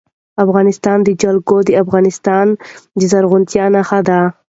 د افغانستان جلکو د افغانستان د زرغونتیا نښه ده.